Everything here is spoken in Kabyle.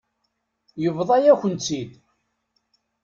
Yebḍa-yakent-t-id.